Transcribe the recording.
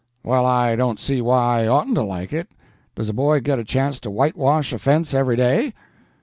Well, I don't see why I oughtn't to like it. Does a boy get a chance to whitewash a fence every day?"